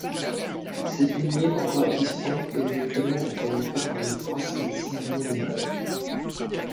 Cette lignée encore existante est actuellement représentée par le prince Maximilien de Bade.